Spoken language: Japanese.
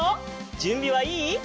じゅんびはいい？